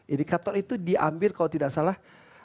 indikator itu diambil kalau tidak salah